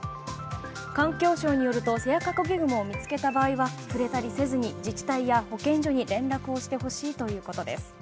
環境省によるとセアカゴケグモを見つけた場合は触れたりせず自治体や保健所に連絡してほしいということです。